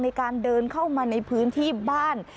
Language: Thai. ในการเดินเข้ามาในพื้นที่บ้าน